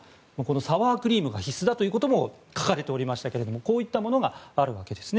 サワークリームが必須だとも書かれていましたがこういったものがあるわけですね。